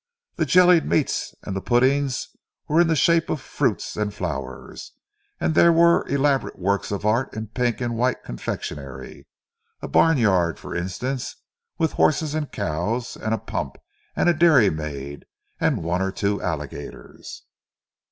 The jellied meats and the puddings were in the shape of fruits and flowers; and there were elaborate works of art in pink and white confectionery—a barn yard, for instance, with horses and cows, and a pump, and a dairymaid—and one or two alligators.